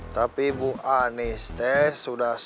tapi ibu anies teh sudah